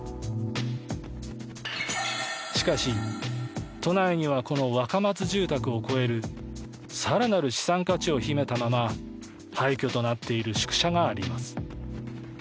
しかし、都内にはこの若松住宅を超える更なる資産価値を秘めたまま廃虚となっている宿舎があります。